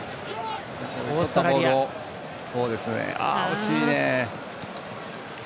惜しいね。